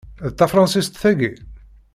D tafṛansist tagi?